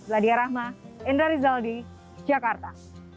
wadidah rahma indra rizal di jakarta